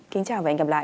kính chào và hẹn gặp lại